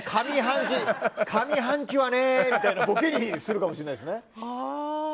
上半期はねみたいなボケにするかもしれません。